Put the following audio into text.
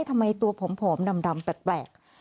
ทำไมตัวผอมดำแปลก